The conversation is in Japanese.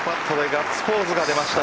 ガッツポーズが出ました